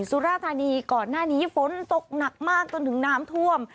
สุราธานีก่อนหน้านี้ฝนตกหนักมากจนถึงน้ำท่วม